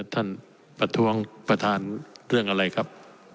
ประท้วงประธานเรื่องอะไรครับ